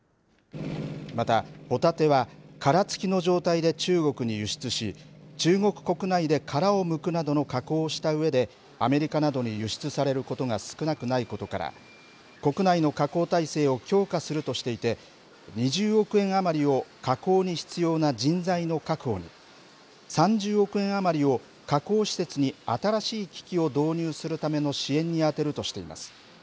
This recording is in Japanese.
また、ホタテは殻付きの状態で中国に輸出し、中国国内で殻をむくなどの加工をしたうえで、アメリカなどに輸出されることが少なくないことから、国内の加工体制を強化するとしていて、２０億円余りを加工に必要な人材の確保に、３０億円余りを加工施設に新しい機器を導入するための支援に充てるとしています。